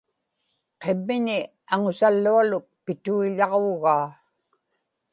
qimmiñi aŋusallualuk pitiuḷaġuugaa